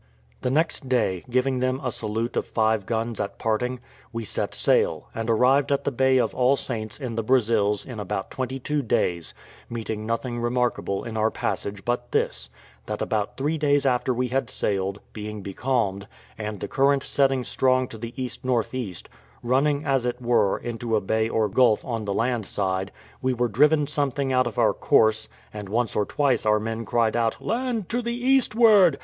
The next day, giving them a salute of five guns at parting, we set sail, and arrived at the bay of All Saints in the Brazils in about twenty two days, meeting nothing remarkable in our passage but this: that about three days after we had sailed, being becalmed, and the current setting strong to the ENE., running, as it were, into a bay or gulf on the land side, we were driven something out of our course, and once or twice our men cried out, "Land to the eastward!"